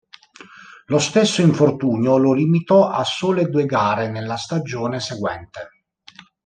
Lo stesso infortunio lo limitò a sole due gare nella stagione seguente.